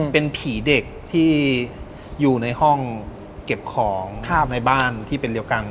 เป็นผีเด็กที่อยู่ในห้องเก็บของในบ้านที่เป็นเดียวกัน